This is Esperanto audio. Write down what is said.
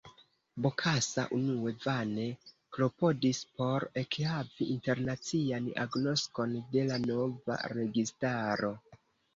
Bokassa unue vane klopodis por ekhavi internacian agnoskon de la nova registaro.